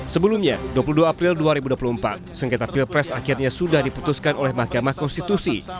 sebelumnya dua puluh dua april dua ribu dua puluh empat sengketa pilpres akhirnya sudah diputuskan oleh mahkamah konstitusi